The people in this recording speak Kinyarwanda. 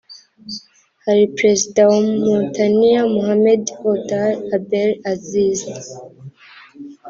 Hari Perezida wa Mauritania Mohamed Ould Abdel Aziz